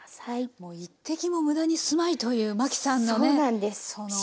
もう１滴も無駄にすまいという麻紀さんのね。